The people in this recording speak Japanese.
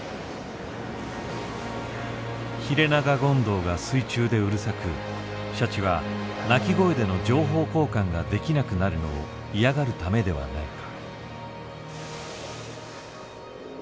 「ヒレナガゴンドウが水中でうるさくシャチは鳴き声での情報交換ができなくなるのを嫌がるためではないか」。